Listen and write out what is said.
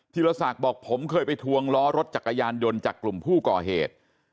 รศักดิ์บอกผมเคยไปทวงล้อรถจักรยานยนต์จากกลุ่มผู้ก่อเหตุ